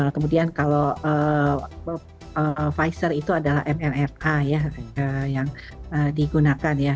kemudian kalau pfizer itu adalah mrna ya yang digunakan ya